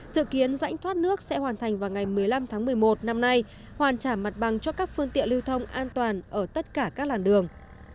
dự kiến rãnh thoát nước sẽ hoàn thành vào ngày một mươi năm tháng một mươi một năm nay hoàn trả mặt bằng cho các phương tiện lưu thông an toàn ở tất cả các làn đường